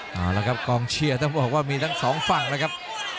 เอาละครับกองเชียร์ต้องบอกว่ามีทั้งสองฝั่งแล้วครับ